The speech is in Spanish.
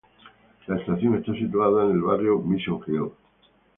La estación está situada en el barrio Mission Hill.